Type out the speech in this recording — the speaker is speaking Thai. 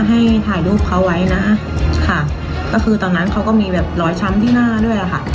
ให้ถ่ายรูปเขาไว้นะค่ะก็คือตอนนั้นเขาก็มีแบบรอยช้ำที่หน้าด้วยอะค่ะ